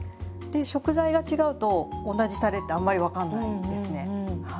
食材が違うと同じたれってあんまり分からないですね。